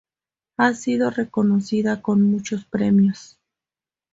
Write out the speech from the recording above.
Ha sido reconocida con muchos premios.